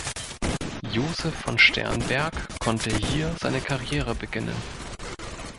Josef von Sternberg konnte hier seine Karriere beginnen.